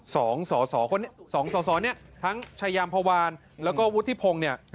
สองสอนี้ทั้งชายามพาวารและวูฒิพงธ์